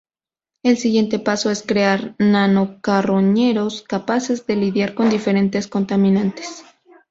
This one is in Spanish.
El siguiente paso es crear nano-carroñeros capaces de lidiar con diferentes contaminantes.